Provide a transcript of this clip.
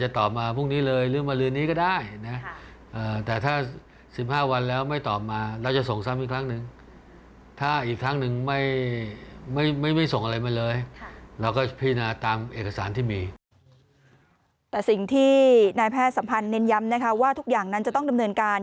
แต่สิ่งที่แพทย์สัมพันธ์เน้นย้ำนะคะว่าทุกอย่างนั้นจะต้องดำเนินการ